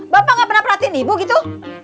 bapak nggak pernah perhatiin ibu gitu